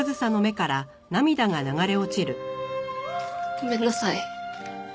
ごめんなさい。